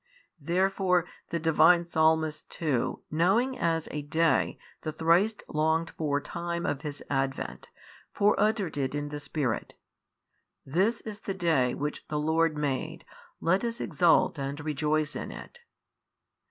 Therefore the Divine Psalmist too knowing as a day the thrice longed for time of His Advent, fore uttered it in the Spirit, This is the Day which the Lord made, let us exult and rejoice in it.